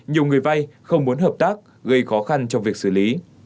nhiều người vay không muốn hợp tác gây khó khăn trong việc xử lý